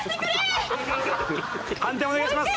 判定お願いします。